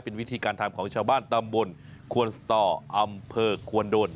เป็นวิธีการทำของชาวบ้านตำบลควนสตออำเภอควนโดน